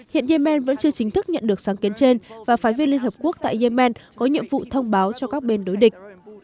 hiện yemen vẫn chưa chính thức nhận được sáng kiến trên và phái viên liên hợp quốc tại yemen có nhiệm vụ thông báo cho các bên đối địch